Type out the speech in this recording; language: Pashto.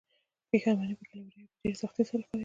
پښيماني پکې له ورايه په ډېرې سختۍ سره ښکاريده.